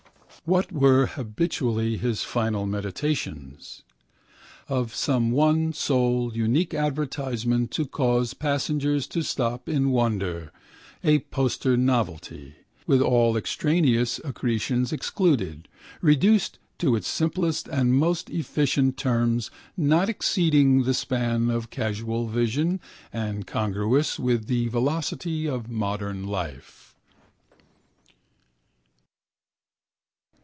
What were habitually his final meditations? Of some one sole unique advertisement to cause passers to stop in wonder, a poster novelty, with all extraneous accretions excluded, reduced to its simplest and most efficient terms not exceeding the span of casual vision and congruous with the velocity of modern life.